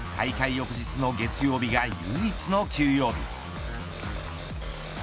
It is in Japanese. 翌日の月曜日が唯一の休養日。